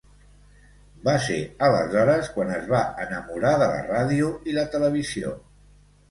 Va ser aleshores quan es va enamorar de la ràdio i la televisió.